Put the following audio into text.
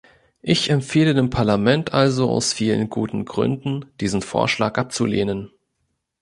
Ich empfehle dem Parlament also aus vielen guten Gründen, diesen Vorschlag abzulehnen.